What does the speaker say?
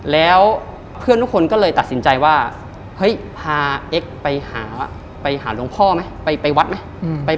แล้วเพื่อนทุกคนก็เลยตัดสินใจว่าเฮ้ยพาเอ็กซ์ไปหาไปหาหลวงพ่อไหมไปวัดไหม